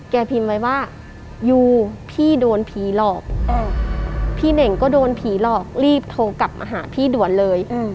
พิมพ์ไว้ว่ายูพี่โดนผีหลอกพี่เน่งก็โดนผีหลอกรีบโทรกลับมาหาพี่ด่วนเลย